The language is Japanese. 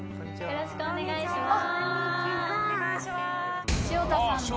よろしくお願いします。